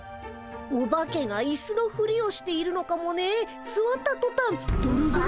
オバケがイスのふりをしているのかもねえすわったとたんドロドロドロ。